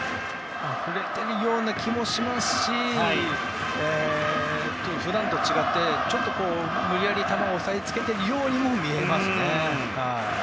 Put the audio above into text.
振れているような気もしますし普段と違って、無理やり球を押さえつけているようにも見えますね。